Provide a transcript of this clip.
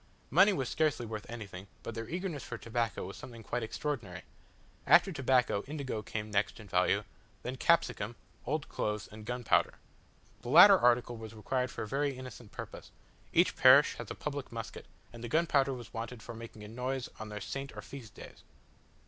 Money was scarcely worth anything, but their eagerness for tobacco was something quite extraordinary. After tobacco, indigo came next in value; then capsicum, old clothes, and gunpowder. The latter article was required for a very innocent purpose: each parish has a public musket, and the gunpowder was wanted for making a noise on their saint or feast days.